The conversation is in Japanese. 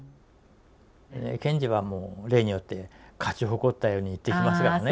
検事はもう例によって勝ち誇ったように言ってきますからね。